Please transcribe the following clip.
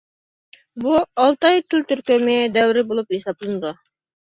بۇ ئالتاي تىل تۈركۈمى دەۋرى بولۇپ ھېسابلىنىدۇ.